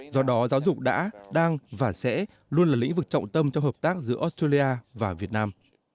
do đó giáo dục đã đang và sẽ luôn là lĩnh vực trọng tâm cho hợp tác giữa australia và việt nam